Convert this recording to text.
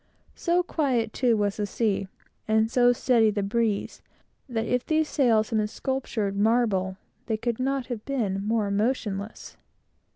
So quiet, too, was the sea, and so steady the breeze, that if these sails had been sculptured marble, they could not have been more motionless.